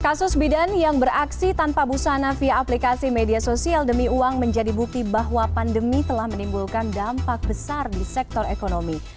kasus bidan yang beraksi tanpa busana via aplikasi media sosial demi uang menjadi bukti bahwa pandemi telah menimbulkan dampak besar di sektor ekonomi